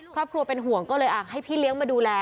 ครอบครัวเป็นห่วงก็เลยให้พี่เลี้ยงมาดูแล